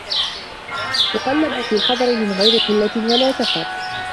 تُقَلَّبُ فِي الْحَضَرِ مِنْ غَيْرِ قِلَّةٍ وَلَا سَفَرٍ